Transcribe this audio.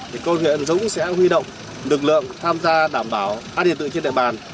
công an huyện yên dũng sẽ huy động lực lượng tham gia đảm bảo an điện tự trên địa bàn